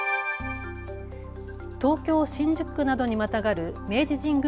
東京新宿区などにまたがる明治神宮